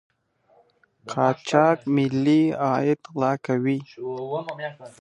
قاچاق ملي عاید غلا کوي.